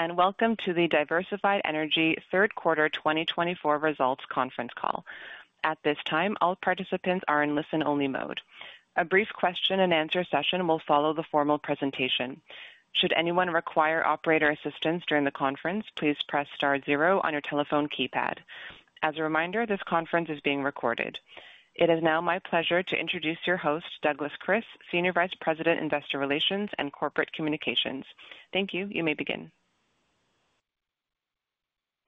And welcome to the Diversified Energy Third Quarter 2024 Results Conference Call. At this time, all participants are in listen-only mode. A brief question-and-answer session will follow the formal presentation. Should anyone require operator assistance during the conference, please press star zero on your telephone keypad. As a reminder, this conference is being recorded. It is now my pleasure to introduce your host, Douglas Kris, Senior Vice President, Investor Relations and Corporate Communications. Thank you. You may begin.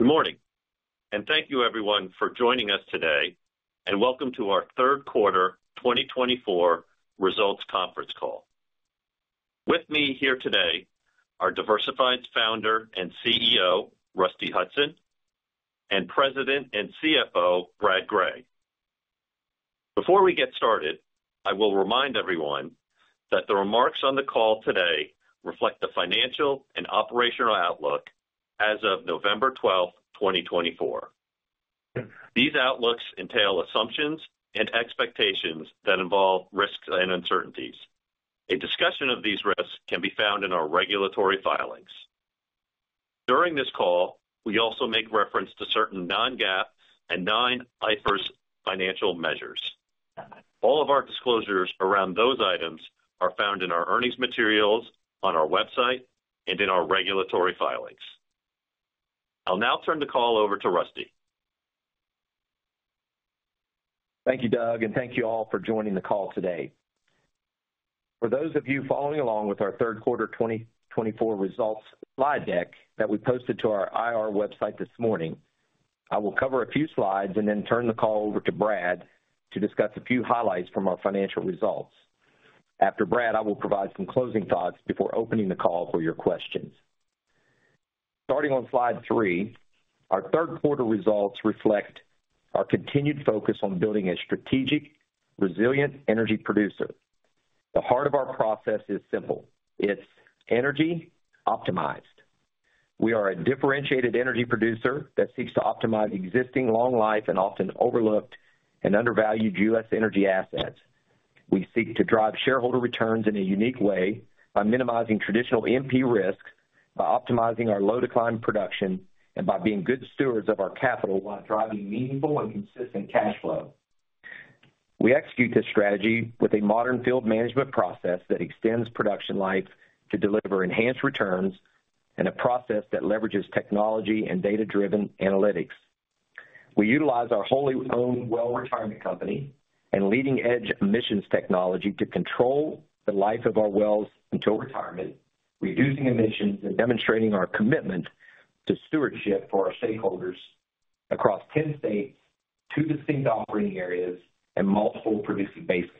Good morning, and thank you, everyone, for joining us today, and welcome to our Third Quarter 2024 Results Conference Call. With me here today are Diversified's Founder and CEO, Rusty Hutson, and President and CFO, Brad Gray. Before we get started, I will remind everyone that the remarks on the call today reflect the financial and operational outlook as of November 12, 2024. These outlooks entail assumptions and expectations that involve risks and uncertainties. A discussion of these risks can be found in our regulatory filings. During this call, we also make reference to certain non-GAAP and non-IFRS financial measures. All of our disclosures around those items are found in our earnings materials, on our website, and in our regulatory filings. I'll now turn the call over to Rusty. Thank you, Doug, and thank you all for joining the call today. For those of you following along with our Third Quarter 2024 results slide deck that we posted to our IR website this morning, I will cover a few slides and then turn the call over to Brad to discuss a few highlights from our financial results. After Brad, I will provide some closing thoughts before opening the call for your questions. Starting on slide three, our third quarter results reflect our continued focus on building a strategic, resilient energy producer. The heart of our process is simple. It's energy optimized. We are a differentiated energy producer that seeks to optimize existing, long-life, and often overlooked and undervalued U.S. energy assets. We seek to drive shareholder returns in a unique way by minimizing traditional E&P risks, by optimizing our low-decline production, and by being good stewards of our capital while driving meaningful and consistent cash flow. We execute this strategy with a Modern Field Management process that extends production life to deliver enhanced returns and a process that leverages technology and data-driven analytics. We utilize our wholly-owned well retirement company and leading-edge emissions technology to control the life of our wells until retirement, reducing emissions and demonstrating our commitment to stewardship for our stakeholders across 10 states, two distinct operating areas, and multiple producing basins.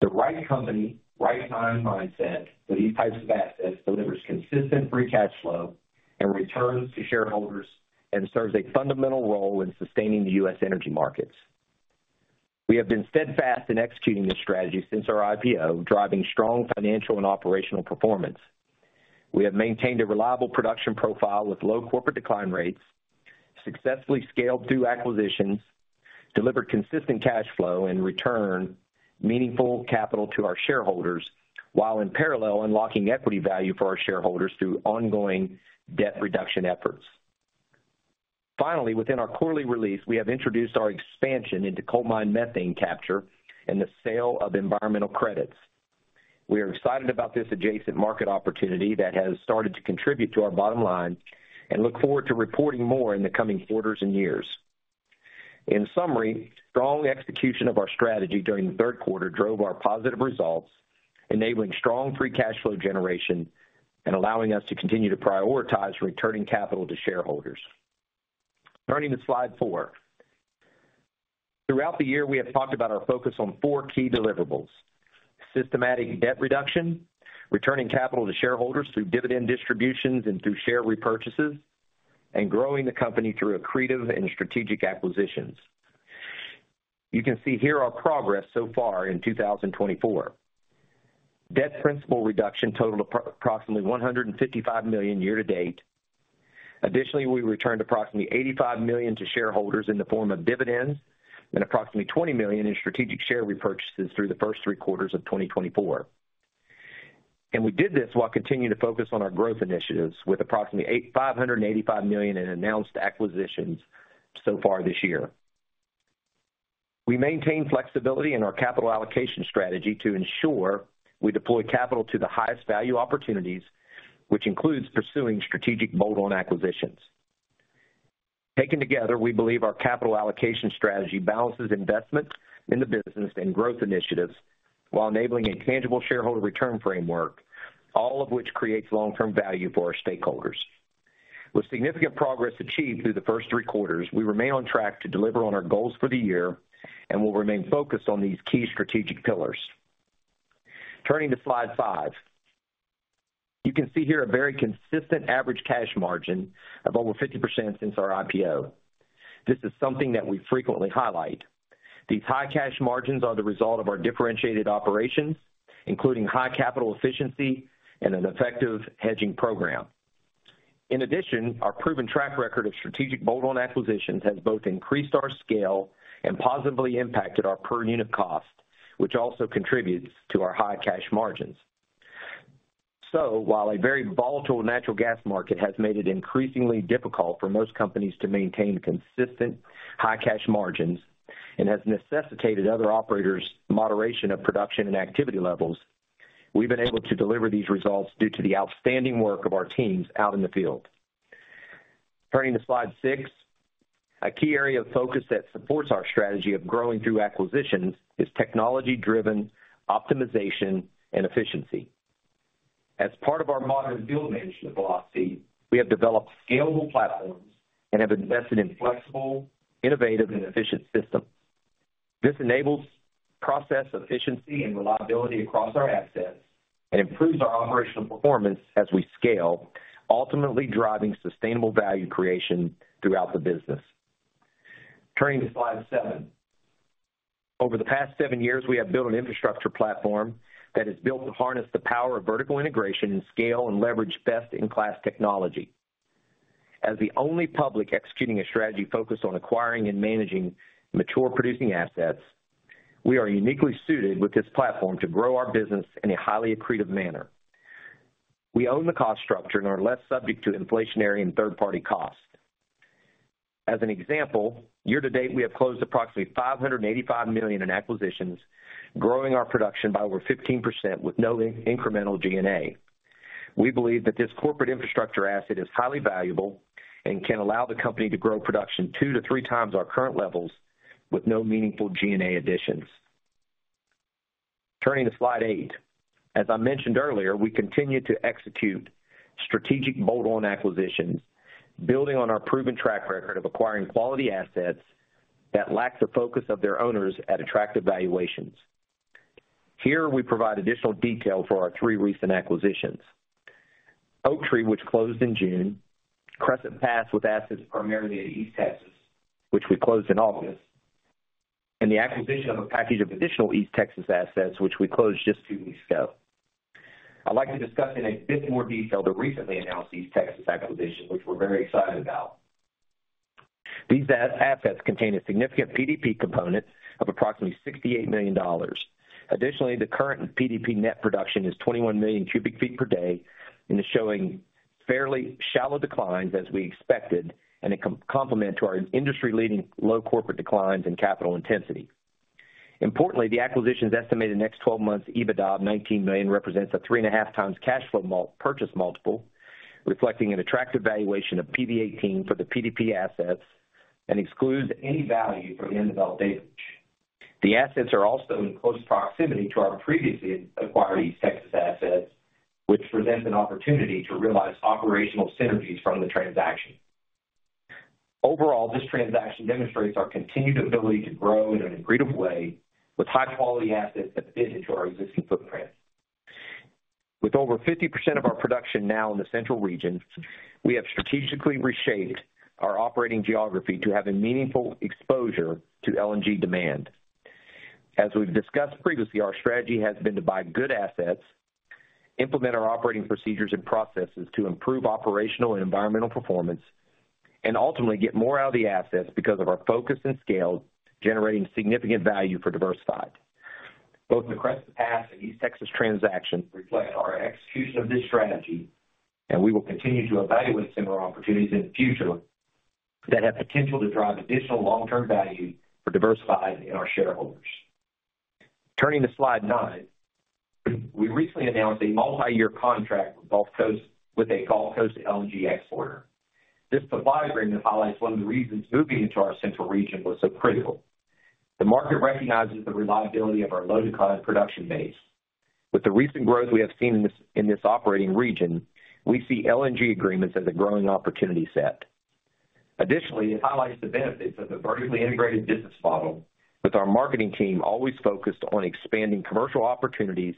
The right company, right time mindset for these types of assets delivers consistent free cash flow and returns to shareholders and serves a fundamental role in sustaining the U.S. energy markets. We have been steadfast in executing this strategy since our IPO, driving strong financial and operational performance. We have maintained a reliable production profile with low corporate decline rates, successfully scaled through acquisitions, delivered consistent cash flow, and returned meaningful capital to our shareholders, while in parallel unlocking equity value for our shareholders through ongoing debt reduction efforts. Finally, within our quarterly release, we have introduced our expansion into coal mine methane capture and the sale of environmental credits. We are excited about this adjacent market opportunity that has started to contribute to our bottom line and look forward to reporting more in the coming quarters and years. In summary, strong execution of our strategy during the third quarter drove our positive results, enabling strong free cash flow generation and allowing us to continue to prioritize returning capital to shareholders. Turning to slide four, throughout the year, we have talked about our focus on four key deliverables: systematic debt reduction, returning capital to shareholders through dividend distributions and through share repurchases, and growing the company through accretive and strategic acquisitions. You can see here our progress so far in 2024. Debt principal reduction totaled approximately $155 million year to date. Additionally, we returned approximately $85 million to shareholders in the form of dividends and approximately $20 million in strategic share repurchases through the first three quarters of 2024. And we did this while continuing to focus on our growth initiatives with approximately $585 million in announced acquisitions so far this year. We maintain flexibility in our capital allocation strategy to ensure we deploy capital to the highest value opportunities, which includes pursuing strategic bolt-on acquisitions. Taken together, we believe our capital allocation strategy balances investment in the business and growth initiatives while enabling a tangible shareholder return framework, all of which creates long-term value for our stakeholders. With significant progress achieved through the first three quarters, we remain on track to deliver on our goals for the year and will remain focused on these key strategic pillars. Turning to slide five, you can see here a very consistent average cash margin of over 50% since our IPO. This is something that we frequently highlight. These high cash margins are the result of our differentiated operations, including high capital efficiency and an effective hedging program. In addition, our proven track record of strategic bolt-on acquisitions has both increased our scale and positively impacted our per unit cost, which also contributes to our high cash margins. While a very volatile natural gas market has made it increasingly difficult for most companies to maintain consistent high cash margins and has necessitated other operators' moderation of production and activity levels, we've been able to deliver these results due to the outstanding work of our teams out in the field. Turning to slide six, a key area of focus that supports our strategy of growing through acquisitions is technology-driven optimization and efficiency. As part of our modern field management philosophy, we have developed scalable platforms and have invested in flexible, innovative, and efficient systems. This enables process efficiency and reliability across our assets and improves our operational performance as we scale, ultimately driving sustainable value creation throughout the business. Turning to slide seven, over the past seven years, we have built an infrastructure platform that is built to harness the power of vertical integration and scale and leverage best-in-class technology. As the only public executing a strategy focused on acquiring and managing mature producing assets, we are uniquely suited with this platform to grow our business in a highly accretive manner. We own the cost structure and are less subject to inflationary and third-party costs. As an example, year to date, we have closed approximately $585 million in acquisitions, growing our production by over 15% with no incremental G&A. We believe that this corporate infrastructure asset is highly valuable and can allow the company to grow production two to three times our current levels with no meaningful G&A additions. Turning to slide eight, as I mentioned earlier, we continue to execute strategic bolt-on acquisitions, building on our proven track record of acquiring quality assets that lack the focus of their owners at attractive valuations. Here, we provide additional detail for our three recent acquisitions: Oaktree, which closed in June, Crescent Pass, with assets primarily in East Texas, which we closed in August, and the acquisition of a package of additional East Texas assets, which we closed just two weeks ago. I'd like to discuss in a bit more detail the recently announced East Texas acquisition, which we're very excited about. These assets contain a significant PDP component of approximately $68 million. Additionally, the current PDP net production is 21 million cubic feet per day and is showing fairly shallow declines, as we expected, and a complement to our industry-leading low corporate declines and capital intensity. Importantly, the acquisition's estimated next 12 months EBITDA of $19 million represents a three-and-a-half times cash flow purchase multiple, reflecting an attractive valuation of PV-18 for the PDP assets and excludes any value for the undeveloped acreage. The assets are also in close proximity to our previously acquired East Texas assets, which presents an opportunity to realize operational synergies from the transaction. Overall, this transaction demonstrates our continued ability to grow in an accretive way with high-quality assets that fit into our existing footprint. With over 50% of our production now in the central region, we have strategically reshaped our operating geography to have a meaningful exposure to LNG demand. As we've discussed previously, our strategy has been to buy good assets, implement our operating procedures and processes to improve operational and environmental performance, and ultimately get more out of the assets because of our focus and scale, generating significant value for Diversified. Both the Crescent Pass and East Texas transaction reflect our execution of this strategy, and we will continue to evaluate similar opportunities in the future that have potential to drive additional long-term value for Diversified and our shareholders. Turning to slide nine, we recently announced a multi-year contract with a Gulf Coast LNG exporter. This supply agreement highlights one of the reasons moving into our central region was so critical. The market recognizes the reliability of our low-decline production base. With the recent growth we have seen in this operating region, we see LNG agreements as a growing opportunity set. Additionally, it highlights the benefits of the vertically integrated business model, with our marketing team always focused on expanding commercial opportunities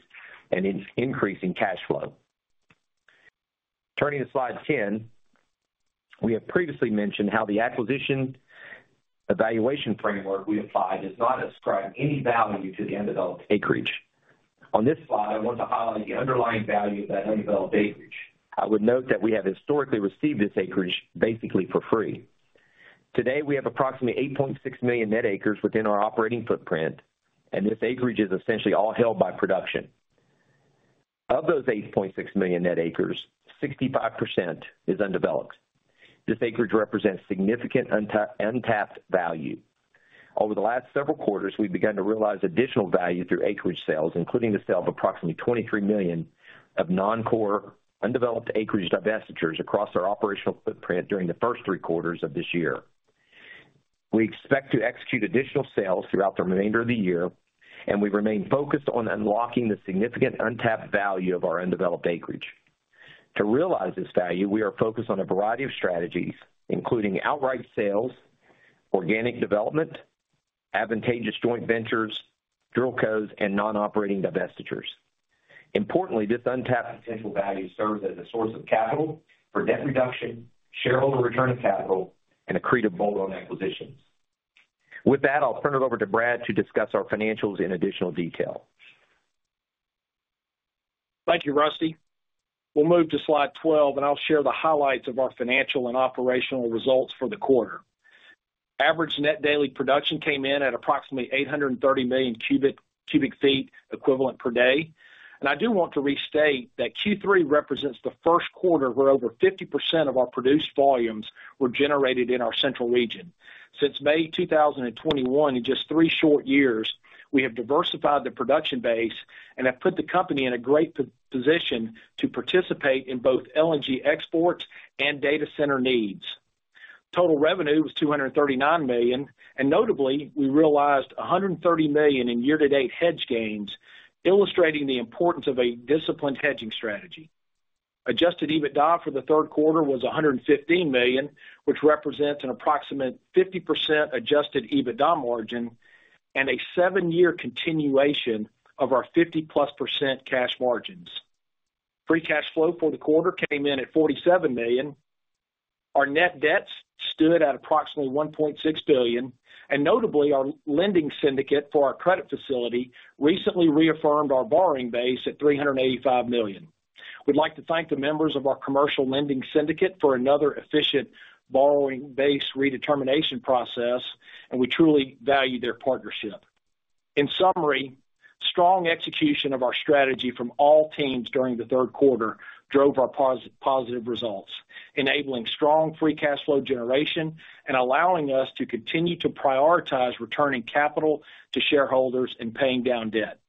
and increasing cash flow. Turning to slide 10, we have previously mentioned how the acquisition evaluation framework we applied does not ascribe any value to the undeveloped acreage. On this slide, I want to highlight the underlying value of that undeveloped acreage. I would note that we have historically received this acreage basically for free. Today, we have approximately 8.6 million net acres within our operating footprint, and this acreage is essentially all held by production. Of those 8.6 million net acres, 65% is undeveloped. This acreage represents significant untapped value. Over the last several quarters, we began to realize additional value through acreage sales, including the sale of approximately $23 million of non-core undeveloped acreage divestitures across our operational footprint during the first three quarters of this year. We expect to execute additional sales throughout the remainder of the year, and we remain focused on unlocking the significant untapped value of our undeveloped acreage. To realize this value, we are focused on a variety of strategies, including outright sales, organic development, advantageous joint ventures, DrillCos, and non-operating divestitures. Importantly, this untapped potential value serves as a source of capital for debt reduction, shareholder return of capital, and accretive bolt-on acquisitions. With that, I'll turn it over to Brad to discuss our financials in additional detail. Thank you, Rusty. We'll move to slide 12, and I'll share the highlights of our financial and operational results for the quarter. Average net daily production came in at approximately 830 million cubic feet equivalent per day, and I do want to restate that Q3 represents the first quarter where over 50% of our produced volumes were generated in our central region. Since May 2021, in just three short years, we have diversified the production base and have put the company in a great position to participate in both LNG exports and data center needs. Total revenue was $239 million, and notably, we realized $130 million in year-to-date hedge gains, illustrating the importance of a disciplined hedging strategy. Adjusted EBITDA for the third quarter was $115 million, which represents an approximate 50% adjusted EBITDA margin and a seven-year continuation of our 50-plus percent cash margins. Free cash flow for the quarter came in at $47 million. Our net debt stood at approximately $1.6 billion, and notably, our lending syndicate for our credit facility recently reaffirmed our borrowing base at $385 million. We'd like to thank the members of our commercial lending syndicate for another efficient borrowing base redetermination process, and we truly value their partnership. In summary, strong execution of our strategy from all teams during the third quarter drove our positive results, enabling strong free cash flow generation and allowing us to continue to prioritize returning capital to shareholders and paying down debt.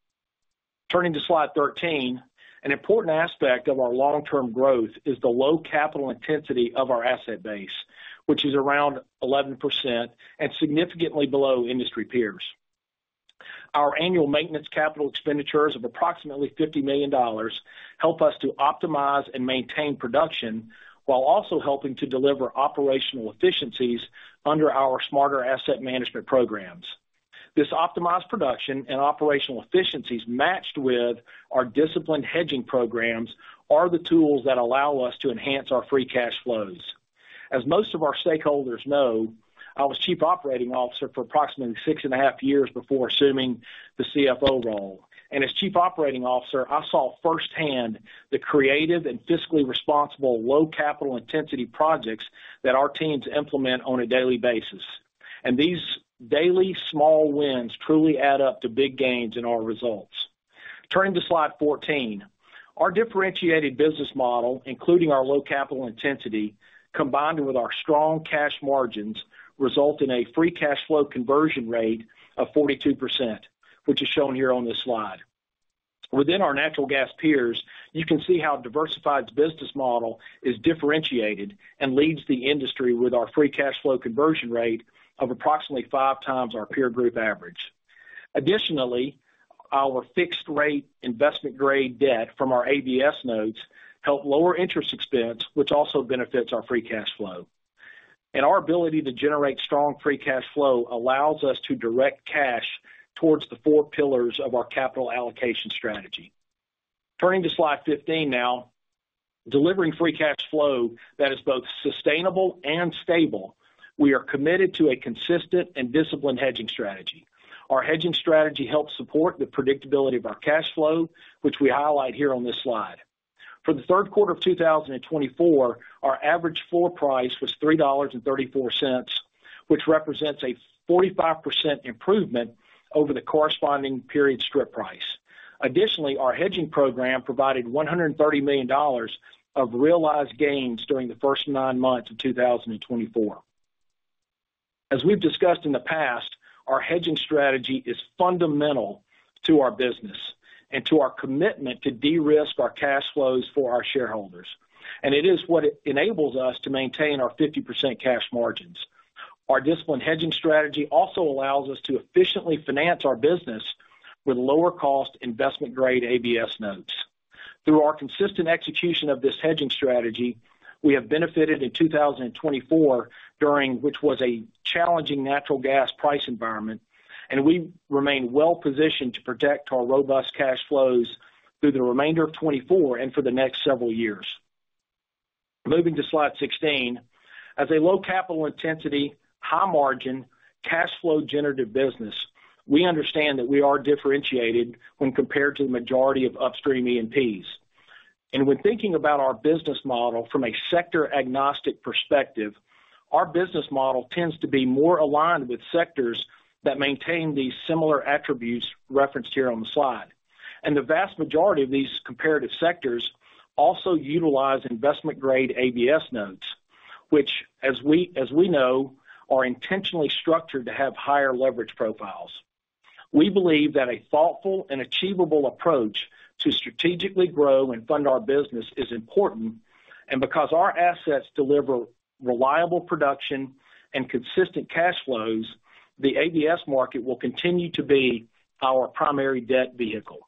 Turning to slide 13, an important aspect of our long-term growth is the low capital intensity of our asset base, which is around 11% and significantly below industry peers. Our annual maintenance capital expenditures of approximately $50 million help us to optimize and maintain production while also helping to deliver operational efficiencies under our Smarter Asset Management programs. This optimized production and operational efficiencies matched with our disciplined hedging programs are the tools that allow us to enhance our free cash flows. As most of our stakeholders know, I was Chief Operating Officer for approximately six and a half years before assuming the CFO role. As Chief Operating Officer, I saw firsthand the creative and fiscally responsible low capital intensity projects that our teams implement on a daily basis. These daily small wins truly add up to big gains in our results. Turning to slide 14, our differentiated business model, including our low capital intensity, combined with our strong cash margins, results in a free cash flow conversion rate of 42%, which is shown here on this slide. Within our natural gas peers, you can see how Diversified's business model is differentiated and leads the industry with our free cash flow conversion rate of approximately five times our peer group average. Additionally, our fixed-rate investment-grade debt from our ABS notes helps lower interest expense, which also benefits our free cash flow. Our ability to generate strong free cash flow allows us to direct cash towards the four pillars of our capital allocation strategy. Turning to slide 15 now, delivering free cash flow that is both sustainable and stable, we are committed to a consistent and disciplined hedging strategy. Our hedging strategy helps support the predictability of our cash flow, which we highlight here on this slide. For the third quarter of 2024, our average floor price was $3.34, which represents a 45% improvement over the corresponding period strip price. Additionally, our hedging program provided $130 million of realized gains during the first nine months of 2024. As we've discussed in the past, our hedging strategy is fundamental to our business and to our commitment to de-risk our cash flows for our shareholders. It is what enables us to maintain our 50% cash margins. Our disciplined hedging strategy also allows us to efficiently finance our business with lower-cost investment-grade ABS notes. Through our consistent execution of this hedging strategy, we have benefited in 2024, during which was a challenging natural gas price environment, and we remain well-positioned to protect our robust cash flows through the remainder of 2024 and for the next several years. Moving to slide 16, as a low capital intensity, high margin, cash flow generative business, we understand that we are differentiated when compared to the majority of upstream E&Ps, and when thinking about our business model from a sector-agnostic perspective, our business model tends to be more aligned with sectors that maintain these similar attributes referenced here on the slide, and the vast majority of these comparative sectors also utilize investment-grade ABS notes, which, as we know, are intentionally structured to have higher leverage profiles. We believe that a thoughtful and achievable approach to strategically grow and fund our business is important, and because our assets deliver reliable production and consistent cash flows, the ABS market will continue to be our primary debt vehicle.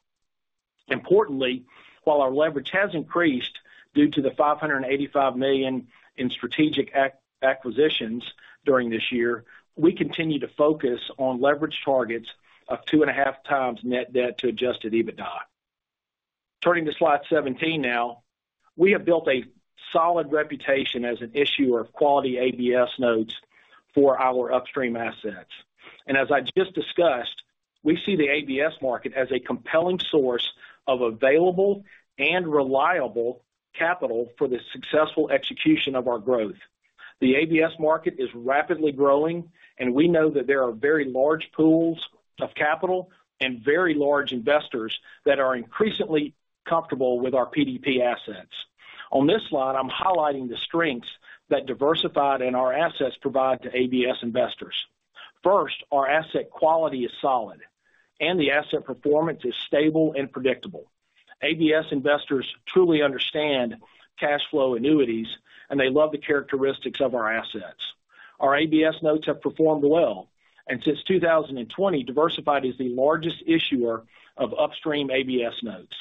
Importantly, while our leverage has increased due to the $585 million in strategic acquisitions during this year, we continue to focus on leverage targets of two and a half times net debt to Adjusted EBITDA. Turning to slide 17 now, we have built a solid reputation as an issuer of quality ABS notes for our upstream assets, and as I just discussed, we see the ABS market as a compelling source of available and reliable capital for the successful execution of our growth. The ABS market is rapidly growing, and we know that there are very large pools of capital and very large investors that are increasingly comfortable with our PDP assets. On this slide, I'm highlighting the strengths that Diversified and our assets provide to ABS investors. First, our asset quality is solid, and the asset performance is stable and predictable. ABS investors truly understand cash flow annuities, and they love the characteristics of our assets. Our ABS notes have performed well, and since 2020, Diversified is the largest issuer of upstream ABS notes.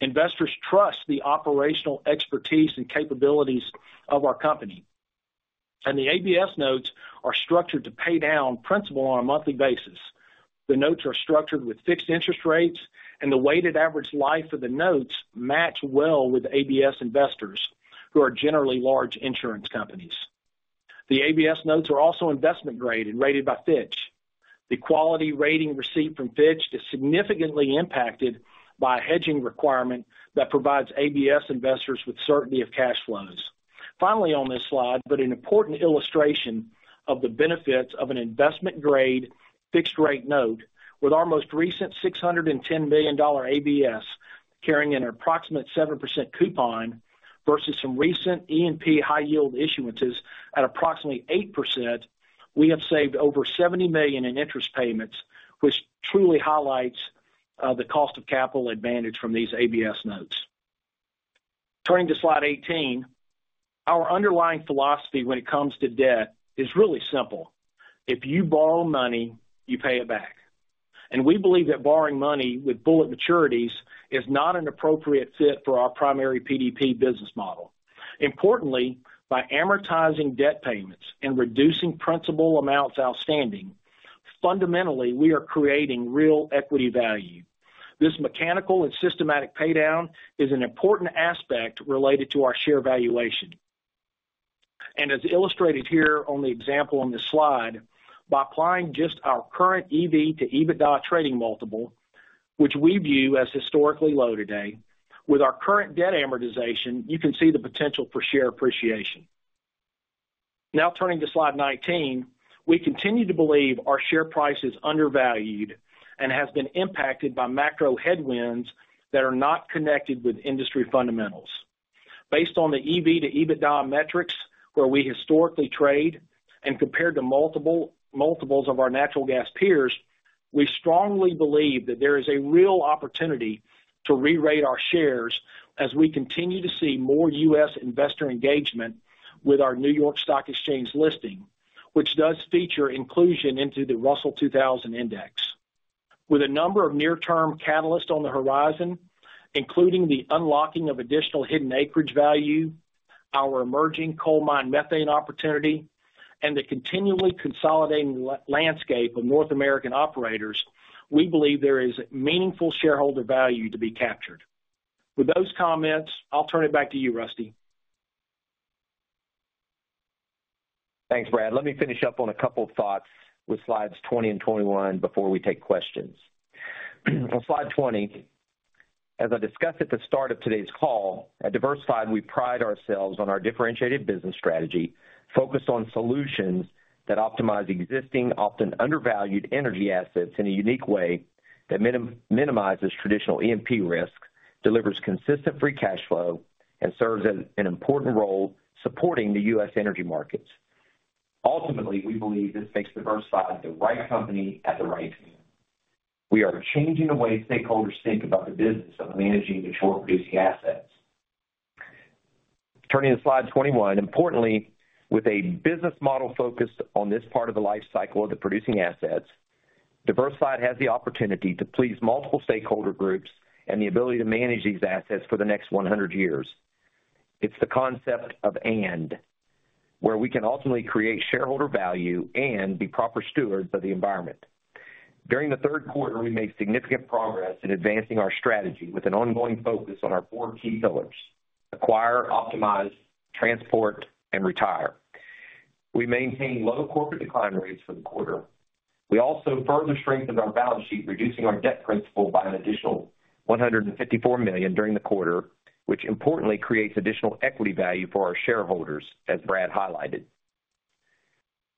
Investors trust the operational expertise and capabilities of our company, and the ABS notes are structured to pay down principal on a monthly basis. The notes are structured with fixed interest rates, and the weighted average life of the notes matches well with ABS investors, who are generally large insurance companies. The ABS notes are also investment-grade and rated by Fitch. The quality rating received from Fitch is significantly impacted by a hedging requirement that provides ABS investors with certainty of cash flows. Finally, on this slide, but an important illustration of the benefits of an investment-grade fixed-rate note, with our most recent $610 million ABS carrying an approximate seven percent coupon versus some recent E&P high-yield issuances at approximately eight percent, we have saved over $70 million in interest payments, which truly highlights the cost of capital advantage from these ABS notes. Turning to slide 18, our underlying philosophy when it comes to debt is really simple. If you borrow money, you pay it back. And we believe that borrowing money with bullet maturities is not an appropriate fit for our primary PDP business model. Importantly, by amortizing debt payments and reducing principal amounts outstanding, fundamentally, we are creating real equity value. This mechanical and systematic paydown is an important aspect related to our share valuation. As illustrated here on the example on this slide, by applying just our current EV to EBITDA trading multiple, which we view as historically low today, with our current debt amortization, you can see the potential for share appreciation. Now, turning to slide 19, we continue to believe our share price is undervalued and has been impacted by macro headwinds that are not connected with industry fundamentals. Based on the EV to EBITDA metrics, where we historically trade and compared to multiples of our natural gas peers, we strongly believe that there is a real opportunity to re-rate our shares as we continue to see more U.S. investor engagement with our New York Stock Exchange listing, which does feature inclusion into the Russell 2000 Index. With a number of near-term catalysts on the horizon, including the unlocking of additional hidden acreage value, our emerging coal mine methane opportunity, and the continually consolidating landscape of North American operators, we believe there is meaningful shareholder value to be captured. With those comments, I'll turn it back to you, Rusty. Thanks, Brad. Let me finish up on a couple of thoughts with slides 20 and 21 before we take questions. On slide 20, as I discussed at the start of today's call, at Diversified, we pride ourselves on our differentiated business strategy focused on solutions that optimize existing, often undervalued energy assets in a unique way that minimizes traditional E&P risk, delivers consistent free cash flow, and serves an important role supporting the U.S. energy markets. Ultimately, we believe this makes Diversified the right company at the right time. We are changing the way stakeholders think about the business of managing mature producing assets. Turning to slide 21, importantly, with a business model focused on this part of the life cycle of the producing assets, Diversified has the opportunity to please multiple stakeholder groups and the ability to manage these assets for the next 100 years. It's the concept of "and," where we can ultimately create shareholder value and be proper stewards of the environment. During the third quarter, we made significant progress in advancing our strategy with an ongoing focus on our four key pillars: acquire, optimize, transport, and retire. We maintained low corporate decline rates for the quarter. We also further strengthened our balance sheet, reducing our debt principal by an additional $154 million during the quarter, which importantly creates additional equity value for our shareholders, as Brad highlighted.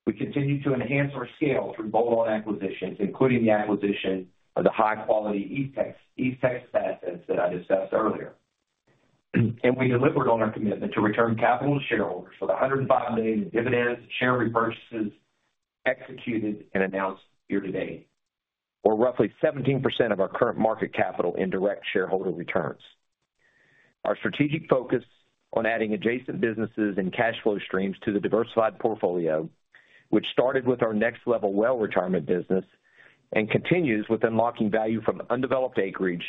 We continue to enhance our scale through bolt-on acquisitions, including the acquisition of the high-quality East Texas assets that I discussed earlier, and we delivered on our commitment to return capital to shareholders with $105 million in dividends, share repurchases executed, and announced year-to-date, or roughly 17% of our current market capital in direct shareholder returns. Our strategic focus on adding adjacent businesses and cash flow streams to the Diversified portfolio, which started with our Next LVL well retirement business and continues with unlocking value from undeveloped acreage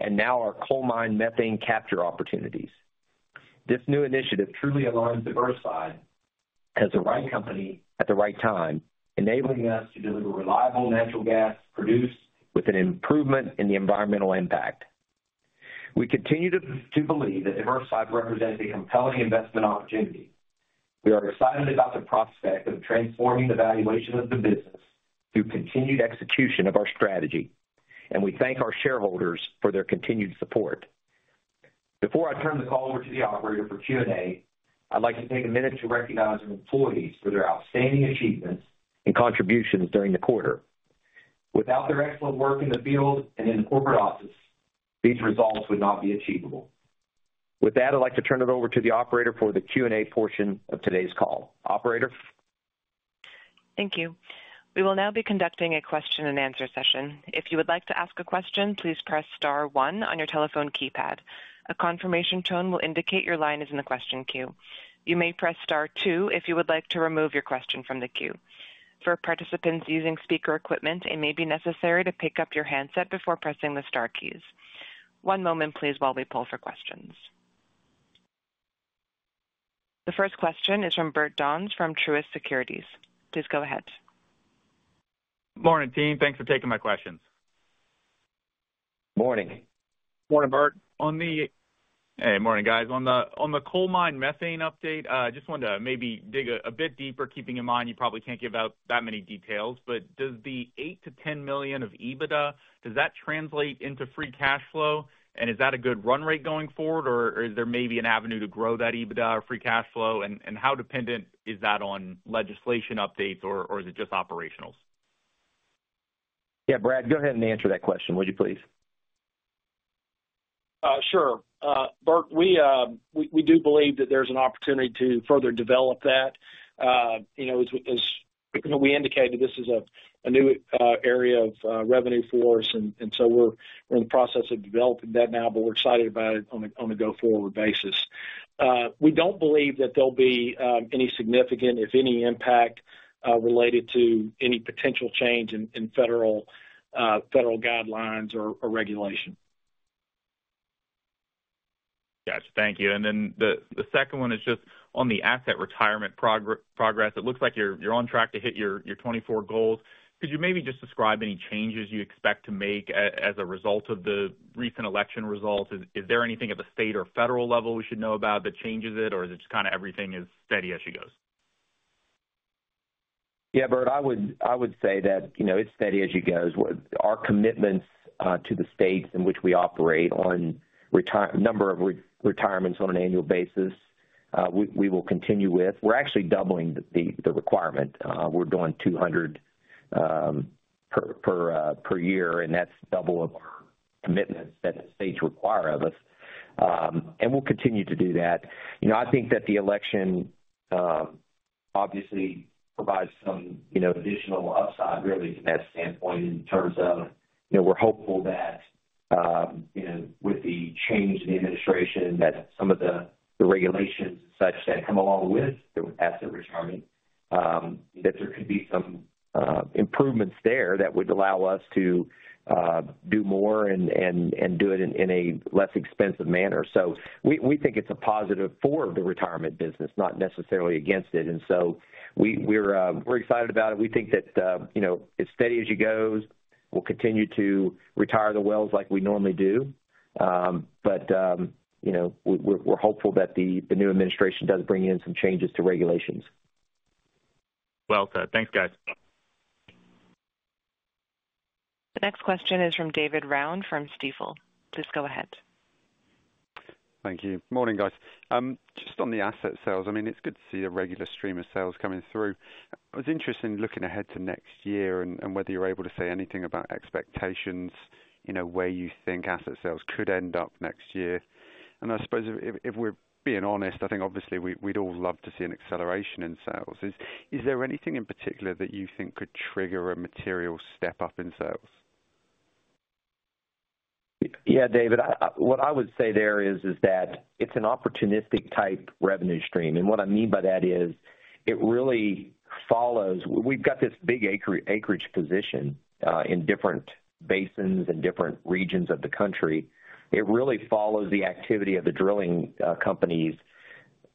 and now our coal mine methane capture opportunities. This new initiative truly aligns Diversified as the right company at the right time, enabling us to deliver reliable natural gas produced with an improvement in the environmental impact. We continue to believe that Diversified represents a compelling investment opportunity. We are excited about the prospect of transforming the valuation of the business through continued execution of our strategy. And we thank our shareholders for their continued support. Before I turn the call over to the operator for Q&A, I'd like to take a minute to recognize our employees for their outstanding achievements and contributions during the quarter. Without their excellent work in the field and in the corporate office, these results would not be achievable. With that, I'd like to turn it over to the operator for the Q&A portion of today's call. Operator. Thank you. We will now be conducting a question-and-answer session. If you would like to ask a question, please press star one on your telephone keypad. A confirmation tone will indicate your line is in the question queue. You may press star two if you would like to remove your question from the queue. For participants using speaker equipment, it may be necessary to pick up your handset before pressing the star keys. One moment, please, while we poll for questions. The first question is from Bert Donnes from Truist Securities. Please go ahead. Good morning, team. Thanks for taking my questions. Morning. Morning, Bert. On the, hey, morning, guys. On the coal mine methane update, I just wanted to maybe dig a bit deeper, keeping in mind you probably can't give out that many details. But does the $8 million-$10 million of EBITDA, does that translate into free cash flow? And is that a good run rate going forward, or is there maybe an avenue to grow that EBITDA or free cash flow? And how dependent is that on legislation updates, or is it just operational? Yeah, Brad, go ahead and answer that question, would you please? Sure. Bert, we do believe that there's an opportunity to further develop that. As we indicated, this is a new area of revenue for us. And so we're in the process of developing that now, but we're excited about it on a go-forward basis. We don't believe that there'll be any significant, if any, impact related to any potential change in federal guidelines or regulation. Gotcha. Thank you. And then the second one is just on the asset retirement progress. It looks like you're on track to hit your 2024 goals. Could you maybe just describe any changes you expect to make as a result of the recent election results? Is there anything at the state or federal level we should know about that changes it, or is it just kind of everything is steady as you go? Yeah, Bert, I would say that it's steady as you go. Our commitments to the states in which we operate on number of retirements on an annual basis, we will continue with. We're actually doubling the requirement. We're doing 200 per year, and that's double of our commitments that the states require of us. And we'll continue to do that. I think that the election obviously provides some additional upside really from that standpoint in terms of we're hopeful that with the change in the administration, that some of the regulations and such that come along with asset retirement, that there could be some improvements there that would allow us to do more and do it in a less expensive manner. So we think it's a positive for the retirement business, not necessarily against it. And so we're excited about it. We think that it's steady as you go. We'll continue to retire the wells like we normally do. But we're hopeful that the new administration does bring in some changes to regulations. Well said. Thanks, guys. The next question is from David Round from Stifel. Please go ahead. Thank you. Morning, guys. Just on the asset sales, I mean, it's good to see a regular stream of sales coming through. I was interested in looking ahead to next year and whether you're able to say anything about expectations in a way you think asset sales could end up next year. And I suppose if we're being honest, I think obviously we'd all love to see an acceleration in sales. Is there anything in particular that you think could trigger a material step up in sales? Yeah, David, what I would say there is that it's an opportunistic-type revenue stream. And what I mean by that is it really follows we've got this big acreage position in different basins and different regions of the country. It really follows the activity of the drilling companies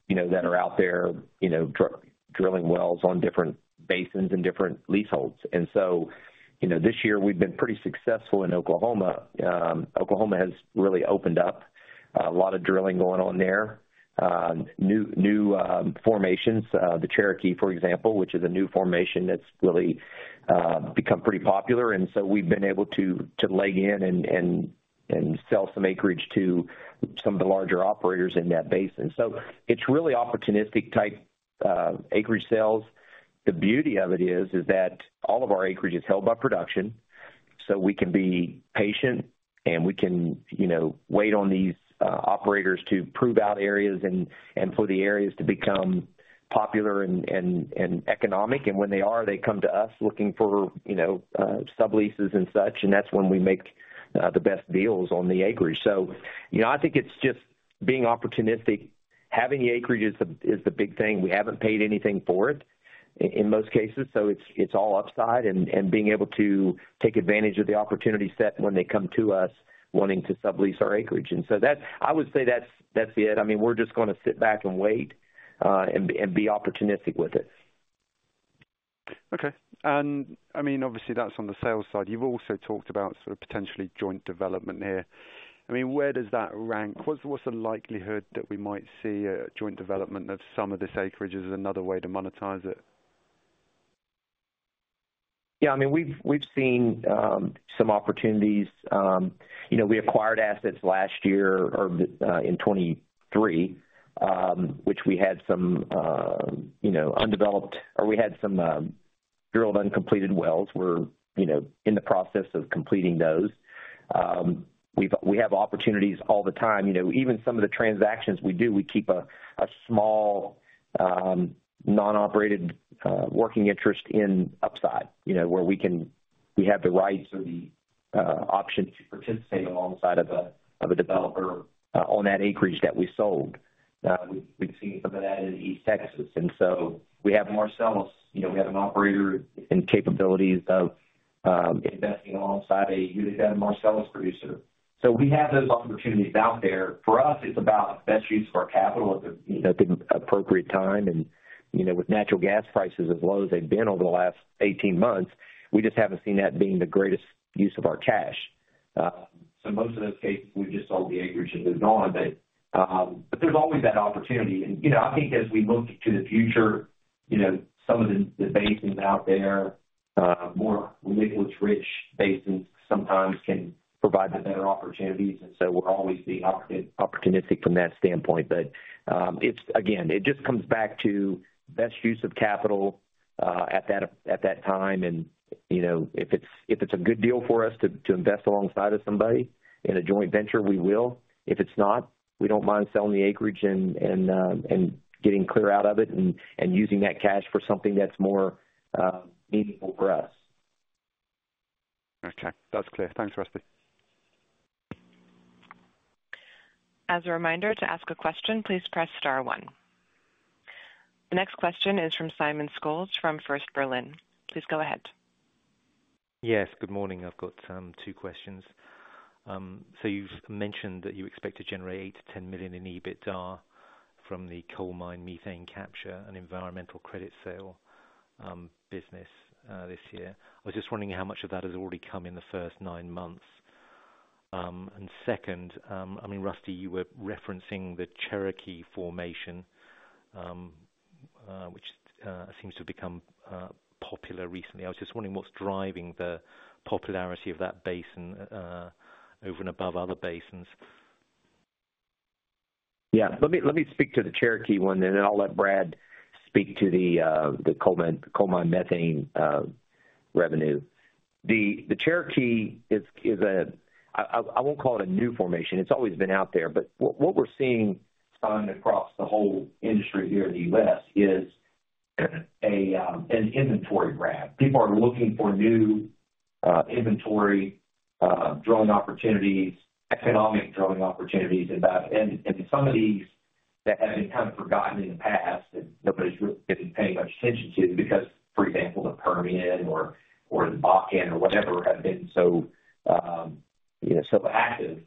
that are out there drilling wells on different basins and different leaseholds. And so this year, we've been pretty successful in Oklahoma. Oklahoma has really opened up a lot of drilling going on there. New formations, the Cherokee, for example, which is a new formation that's really become pretty popular. And so we've been able to leg in and sell some acreage to some of the larger operators in that basin. So it's really opportunistic-type acreage sales. The beauty of it is that all of our acreage is held by production, so we can be patient and we can wait on these operators to prove out areas and for the areas to become popular and economic. And when they are, they come to us looking for sub-leases and such. And that's when we make the best deals on the acreage. So I think it's just being opportunistic. Having the acreage is the big thing. We haven't paid anything for it in most cases. So it's all upside and being able to take advantage of the opportunity set when they come to us wanting to sub-lease our acreage. And so I would say that's it. I mean, we're just going to sit back and wait and be opportunistic with it. Okay. And I mean, obviously, that's on the sales side. You've also talked about sort of potentially joint development here. I mean, where does that rank? What's the likelihood that we might see a joint development of some of this acreage as another way to monetize it? Yeah, I mean, we've seen some opportunities. We acquired assets last year or in 2023, which we had some undeveloped or we had some drilled uncompleted wells. We're in the process of completing those. We have opportunities all the time. Even some of the transactions we do, we keep a small non-operated working interest in upside where we have the rights or the option to participate alongside of a developer on that acreage that we sold. We've seen some of that in East Texas, and so we have Marcellus. We have an operator, and capabilities of investing alongside a unit that Marcellus producer, so we have those opportunities out there. For us, it's about best use of our capital at the appropriate time, and with natural gas prices as low as they've been over the last 18 months, we just haven't seen that being the greatest use of our cash. So most of those cases, we've just sold the acreage and moved on. But there's always that opportunity. And I think as we look to the future, some of the basins out there, more liquids-rich basins sometimes can provide the better opportunities. And so we're always being opportunistic from that standpoint. But again, it just comes back to best use of capital at that time. And if it's a good deal for us to invest alongside of somebody in a joint venture, we will. If it's not, we don't mind selling the acreage and getting clear out of it and using that cash for something that's more meaningful for us. Okay. That's clear. Thanks, Rusty. As a reminder, to ask a question, please press star one. The next question is from Simon Scholes from First Berlin. Please go ahead. Yes, good morning. I've got two questions. So you've mentioned that you expect to generate $8 million-$10 million in EBITDA from the coal mine methane capture and environmental credit sale business this year. I was just wondering how much of that has already come in the first nine months. And second, I mean, Rusty, you were referencing the Cherokee formation, which seems to have become popular recently. I was just wondering what's driving the popularity of that basin over and above other basins. Yeah. Let me speak to the Cherokee one then, and I'll let Brad speak to the coal mine methane revenue. The Cherokee is a. I won't call it a new formation. It's always been out there. But what we're seeing across the whole industry here in the U.S. is an inventory grab. People are looking for new inventory drilling opportunities, economic drilling opportunities. Some of these that have been kind of forgotten in the past and nobody's really been paying much attention to because, for example, the Permian or the Bakken or whatever have been so active.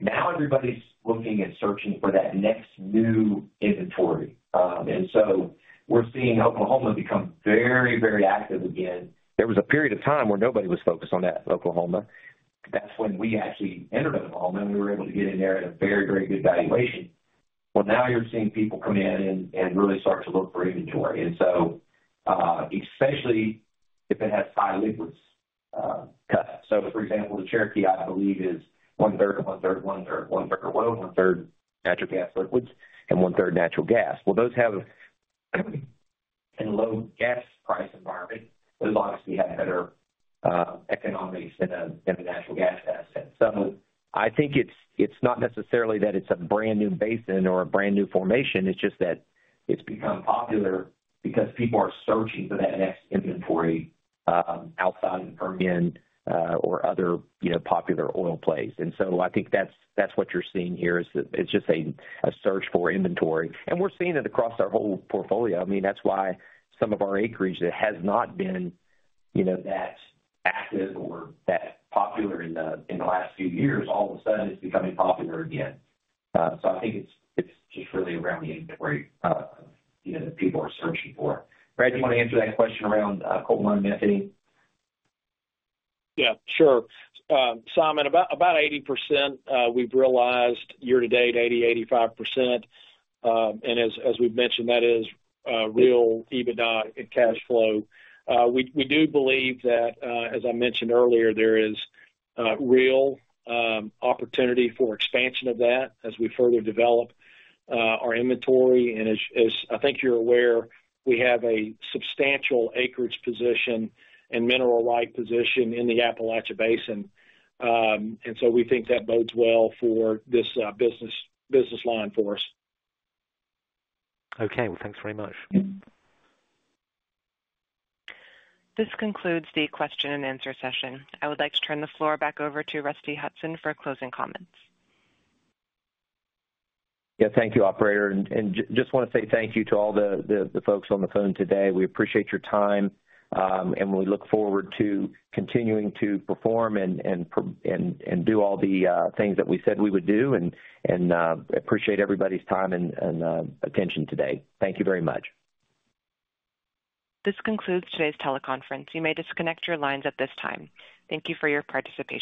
Now everybody's looking and searching for that next new inventory, and so we're seeing Oklahoma become very, very active again. There was a period of time where nobody was focused on that, Oklahoma. That's when we actually entered Oklahoma, and we were able to get in there at a very, very good valuation. Well, now you're seeing people come in and really start to look for inventory, and so especially if it has high liquids cut. So for example, the Cherokee, I believe, is one-third oil, one-third natural gas liquids, and one-third natural gas. Well, those have a low gas price environment. Those obviously have better economics than a natural gas asset. I think it's not necessarily that it's a brand new basin or a brand new formation. It's just that it's become popular because people are searching for that next inventory outside of the Permian or other popular oil plays. And so I think that's what you're seeing here is just a search for inventory. And we're seeing it across our whole portfolio. I mean, that's why some of our acreage that has not been that active or that popular in the last few years, all of a sudden, it's becoming popular again. So I think it's just really around the inventory that people are searching for. Brad, do you want to answer that question around coal mine methane? Yeah, sure. Simon, about 80%-85% we've realized year to date. And as we've mentioned, that is real EBITDA and cash flow. We do believe that, as I mentioned earlier, there is real opportunity for expansion of that as we further develop our inventory, and as I think you're aware, we have a substantial acreage position and mineral-like position in the Appalachian Basin, and so we think that bodes well for this business line for us. Okay, well, thanks very much. This concludes the question and answer session. I would like to turn the floor back over to Rusty Hutson for closing comments. Yeah, thank you, operator, and just want to say thank you to all the folks on the phone today. We appreciate your time, and we look forward to continuing to perform and do all the things that we said we would do, and I appreciate everybody's time and attention today. Thank you very much. This concludes today's teleconference. You may disconnect your lines at this time. Thank you for your participation.